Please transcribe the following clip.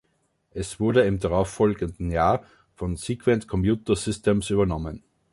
Es wurde im darauffolgenden Jahr von Sequent Computer Systems übernommen.